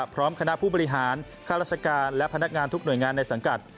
พร้อมคณะผู้บริหารค่าราชการและพนักงานทุกหน่วยงานในสังกัด